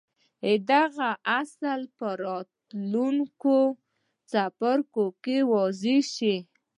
دغه اصل به په راتلونکو څپرکو کې واضح شي.